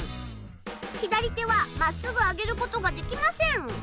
左手は真っすぐ上げることができません。